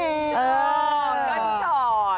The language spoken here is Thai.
เออตอนที่สอด